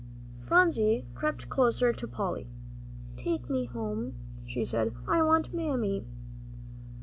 Phronsie crept closer to Polly. "Take me home," she said. "I want my Mammy."